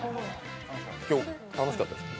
今日、楽しかったですか？